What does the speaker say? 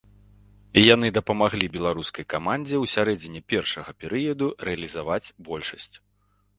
Яны дапамаглі беларускай камандзе ў сярэдзіне першага перыяду рэалізаваць большасць.